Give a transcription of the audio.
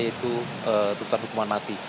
yaitu tuntutan hukuman mati